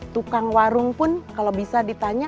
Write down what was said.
tukang warung pun kalau bisa ditanya